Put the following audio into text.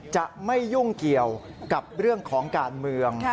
จะไม่ยุ่งเกี่ยวกับเรื่องของการเมือง